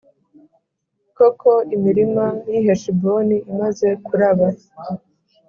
Koko, imirima y’i Heshiboni imaze kuraba,